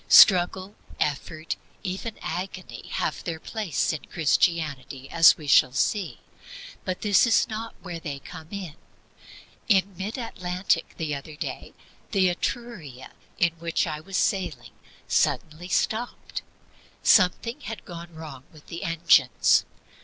Struggle, effort, even agony, have their place in Christianity, as we shall see; but this is not where they come in. In mid Atlantic the Etruria, in which I was sailing, suddenly stopped. Something had gone wrong with the engines.